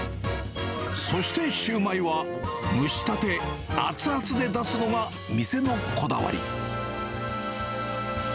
そしてしゅうまいは蒸したて、熱々で出すのが店のこだわり。